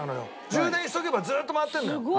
充電しておけばずっと回ってるのよ。